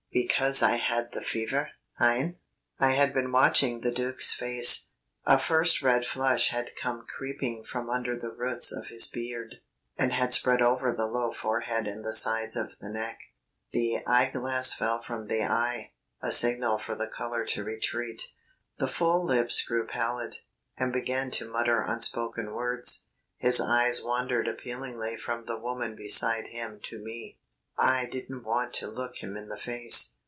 Because I had the fever, hein?" I had been watching the Duc's face; a first red flush had come creeping from under the roots of his beard, and had spread over the low forehead and the sides of the neck. The eye glass fell from the eye, a signal for the colour to retreat. The full lips grew pallid, and began to mutter unspoken words. His eyes wandered appealingly from the woman beside him to me. I didn't want to look him in the face.